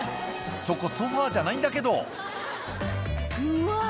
そこソファじゃないんだけどうわ